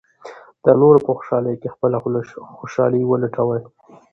د نورو په خوشالۍ کې خپله خوشالي ولټوئ.